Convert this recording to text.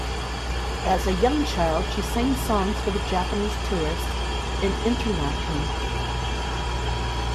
As a young child, she sang songs for the Japanese tourists in Interlaken.